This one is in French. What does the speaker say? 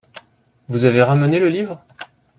Vous avez ramené le livre ?